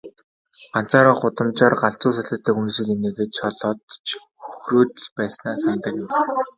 Ганцаараа гудамжаар галзуу солиотой хүн шиг инээгээд, шоолоод ч хөхрөөд л байснаа санадаг юм.